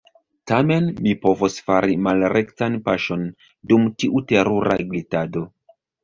Tamen, mi povos fari malrektan paŝon dum tiu terura glitado.